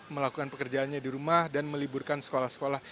melakukan pekerjaannya di rumah dan meliburkan sekolah sekolah